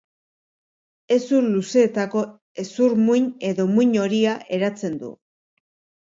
Hezur luzeetako hezur muin edo muin horia eratzen du.